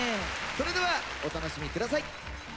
それではお楽しみ下さい。